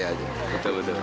oh itu mereka udah datang